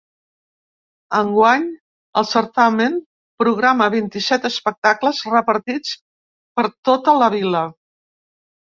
Enguany el certamen programa vint-i-set espectacles repartits per tota la vila.